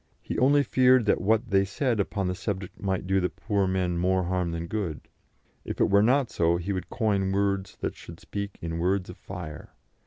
He only feared that what they said upon the subject might do the poor men more harm than good. If it were not so, he would coin words that should speak in words of fire.